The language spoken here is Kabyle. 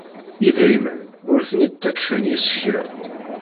Idrimen ur ten-id-ttakfen yisekla.